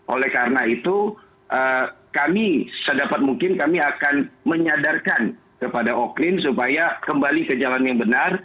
oleh karena itu kami sedapat mungkin kami akan menyadarkan kepada oklin supaya kembali ke jalan yang benar